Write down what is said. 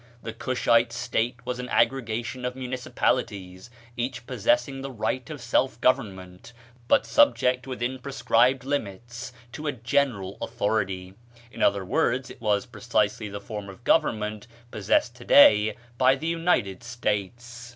The Cushite state was an aggregation of municipalities, each possessing the right of self government, but subject within prescribed limits to a general authority; in other words, it was precisely the form of government possessed to day by the United States.